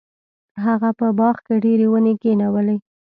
هغه په باغ کې ډیرې ونې کینولې.